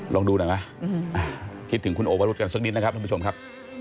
ลองดูหน่อยไหมคิดถึงคุณโอวรุธกันสักนิดนะครับท่านผู้ชมครับ